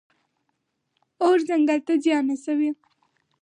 اور ځنګل ته زیان رسوي.